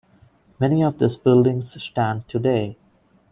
Many of these buildings stand today.